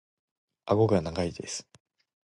顎が長いです。